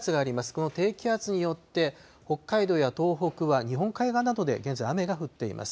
この低気圧によって北海道や東北は日本海側などで現在、雨が降っています。